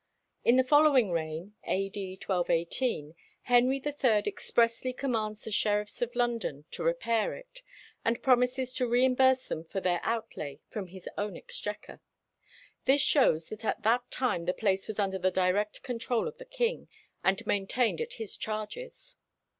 In the following reign, A. D. 1218, Henry III expressly commands the sheriffs of London to repair it, and promises to reimburse them for their outlay from his own exchequer. This shows that at that time the place was under the direct control of the king, and maintained at his charges.